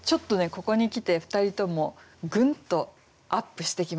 ここに来て２人ともぐんとアップしてきました。